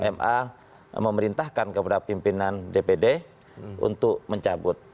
ma memerintahkan kepada pimpinan dpd untuk mencabut